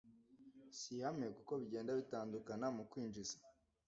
si ihame kuko bigenda bitandukana mu kwinjiza